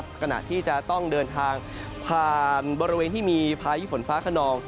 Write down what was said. ขณะที่จะต้องเดินทางผ่านบริเวณที่มีพายุฝนฟ้าขนอง